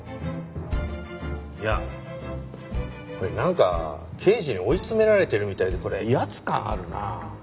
いやこれなんか刑事に追い詰められてるみたいでこれ威圧感あるな。